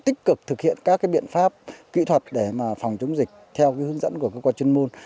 tích cực thực hiện các biện pháp kỹ thuật để phòng chống dịch theo hướng dẫn của cơ quan chuyên môn